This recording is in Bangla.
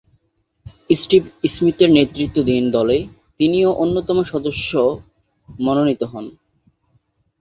স্টিভ স্মিথের নেতৃত্বাধীন দলে তিনিও অন্যতম সদস্য মনোনীত হন।